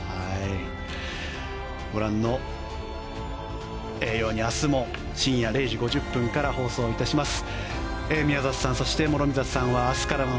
ご覧のように明日も深夜０時５０分から放送いたします。